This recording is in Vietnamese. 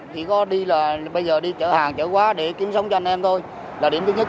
chỉ có đi là bây giờ đi chợ hàng chở quá để kiếm sống cho anh em thôi là điểm thứ nhất